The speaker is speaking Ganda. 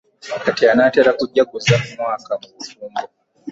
Kati anaatera kujaguza mwaka mu bufumbo.